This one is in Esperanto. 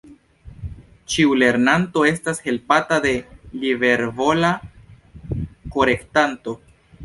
Ĉiu lernanto estas helpata de libervola korektanto.